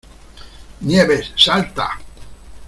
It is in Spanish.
Nieves, ¡salta!